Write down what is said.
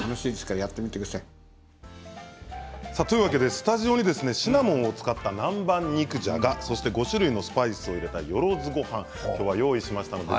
スタジオにシナモンを使った南蛮肉じゃがと５種類のスパイスを入れたよろずごはんを用意しました。